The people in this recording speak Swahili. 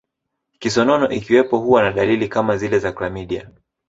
Kisonono ikiwepo huwa na dalili kama zile za klamidia